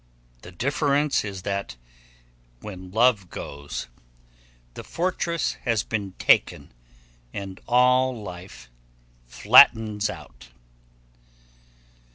The difference is that when love goes, the fortress has been taken and all life flattens out.